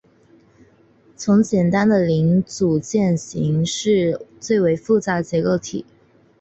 从简单的零组件型式最为复杂的结构体。